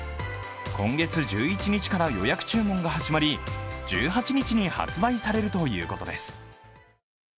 今月１１日から予約注文が始まり１８日に発売されるということです。